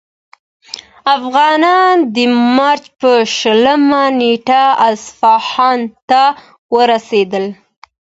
افغانان د مارچ په شلمه نېټه اصفهان ته ورسېدل.